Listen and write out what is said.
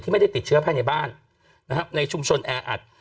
ไม่ได้ติดเชื้อภายในบ้านนะครับในชุมชนแออัด